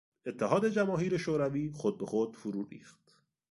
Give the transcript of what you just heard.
اتحاد جماهیر شوروی خود به خود فرو ریخت.